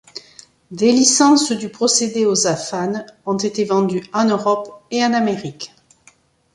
Des licences du procédé ozaphane ont été vendues en Europe et en Amérique.